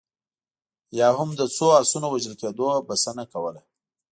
یا هم د څو اسونو وژل کېدو بسنه کوله.